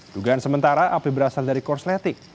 dugaan sementara api berasal dari korsleting